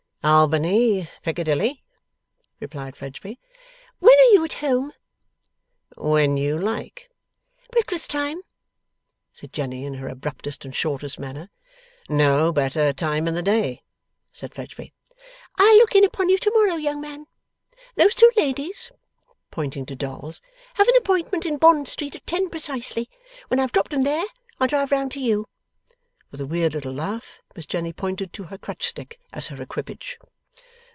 'Albany, Piccadilly,' replied Fledgeby. 'When are you at home?' 'When you like.' 'Breakfast time?' said Jenny, in her abruptest and shortest manner. 'No better time in the day,' said Fledgeby. 'I'll look in upon you to morrow, young man. Those two ladies,' pointing to dolls, 'have an appointment in Bond Street at ten precisely. When I've dropped 'em there, I'll drive round to you.' With a weird little laugh, Miss Jenny pointed to her crutch stick as her equipage.